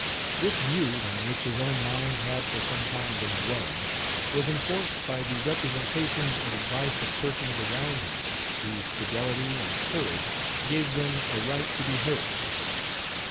This view, on which his own mind had for some time been dwelling, was enforced by the representations and advice of persons around him, whose fidelity and courage gave them a right to be heard.